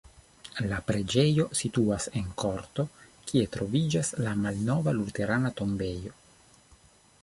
La preĝejo situas en korto, kie troviĝas la malnova luterana tombejo.